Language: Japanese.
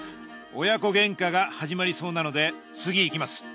親子ゲンカが始まりそうなので次いきます。